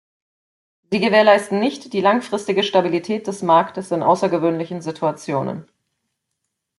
Sie gewährleisten nicht die langfristige Stabilität des Marktes in außergewöhnlichen Situationen.